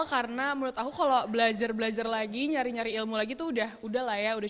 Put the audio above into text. karena menurut aku kalau belajar belajar lagi nyari nyari ilmu lagi tuh udah udah lah ya udah